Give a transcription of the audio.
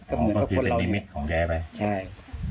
ก็เหมือนกับคนเราเนี่ย